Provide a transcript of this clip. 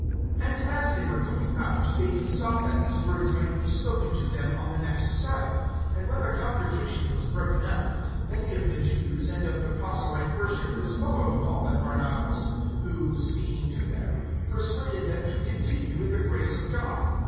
(42)And as they were going out, they besought that these words might be spoken to them on the next sabbath. (43)And when the congregation was broken up, many of the Jews and of the proselyte worshipers followed Paul and Barnabas; who, speaking to them, persuaded them to continue in the grace of God.